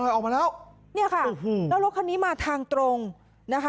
เออออกมาแล้วเนี่ยค่ะแล้วรถคนนี้มาทางตรงนะคะ